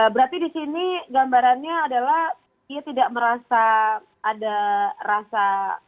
berarti di sini gambarannya adalah ia tidak merasa ada rasa